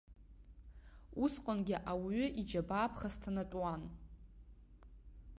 Усҟангьы ауаҩы иџьабаа ԥхасҭанатәуан.